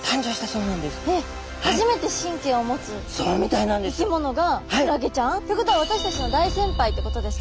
えっ初めて神経を持つ生き物がクラゲちゃん。ってことは私たちの大先輩ってことですか？